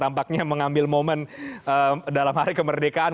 nampaknya mengambil momen dalam hari kemerdekaan